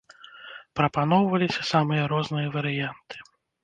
Прапаноўваліся самыя розныя варыянты.